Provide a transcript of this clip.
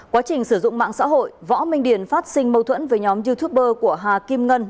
quá trình sử dụng mạng xã hội võ minh điền phát sinh mâu thuẫn với nhóm youtuber của hà kim ngân